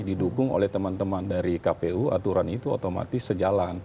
didukung oleh teman teman dari kpu aturan itu otomatis sejalan